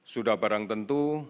sudah barang tentu